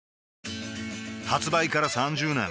発売から３０年